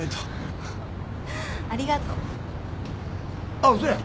あっそや。